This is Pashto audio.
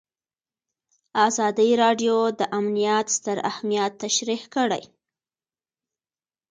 ازادي راډیو د امنیت ستر اهميت تشریح کړی.